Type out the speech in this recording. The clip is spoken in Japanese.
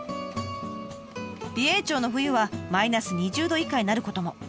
美瑛町の冬はマイナス２０度以下になることも。